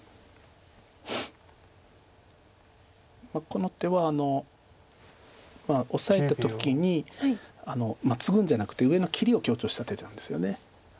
この手はオサえた時にツグんじゃなくて上の切りを強調した手なんですよね。